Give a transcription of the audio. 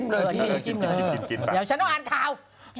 เดี๋ยวฉันต้องอ่านข่าว